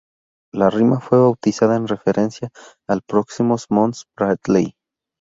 La rima fue bautizada en referencia al próximo Mons Bradley.